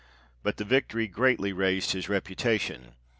But the victory greatly raised his reputation.